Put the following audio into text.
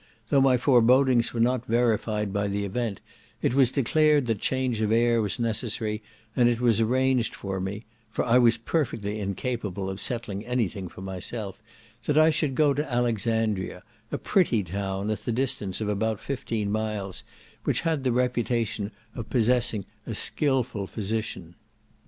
Though my forebodings were not verified by the event, it was declared that change of air was necessary, and it was arranged for me, (for I was perfectly incapable of settling any thing for myself,) that I should go to Alexandria, a pretty town at the distance of about fifteen miles, which had the reputation of possessing a skilful physician.